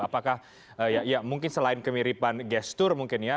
apakah ya mungkin selain kemiripan gestur mungkin ya